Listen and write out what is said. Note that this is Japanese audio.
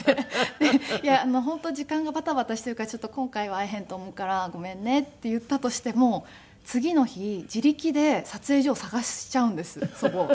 で「いや本当時間がバタバタしているからちょっと今回は会えへんと思うからごめんね」って言ったとしても次の日自力で撮影所を探しちゃうんです祖母は。